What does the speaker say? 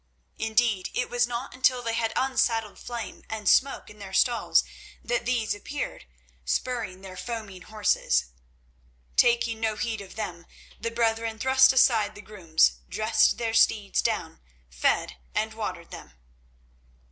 Indeed it was not until they had unsaddled Flame and Smoke in their stalls that these appeared, spurring their foaming horses. Taking no heed of them, the brethren thrust aside the grooms, dressed their steeds down, fed and watered them.